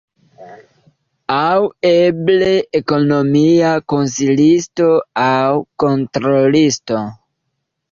Aŭ eble ekonomia konsilisto aŭ kontrolisto.